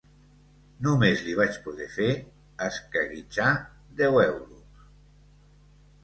Només li vaig poder fer escaguitxar deu euros.